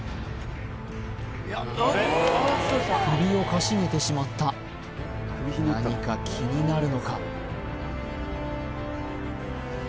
首をかしげてしまった何か気になるのか？